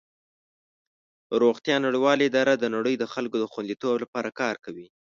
روغتیا نړیواله اداره د نړۍ د خلکو د خوندیتوب لپاره کار کوي.